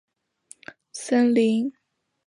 森林博比耶。